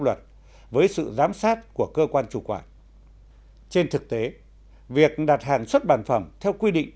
luật với sự giám sát của cơ quan chủ quản trên thực tế việc đặt hàng xuất bản phẩm theo quy định